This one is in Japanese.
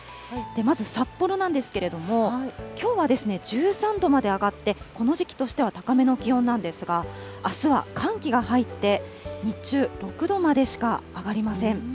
まず札幌なんですけれども、きょうは１３度まで上がって、この時期としては高めの気温なんですが、あすは寒気が入って、日中、６度までしか上がりません。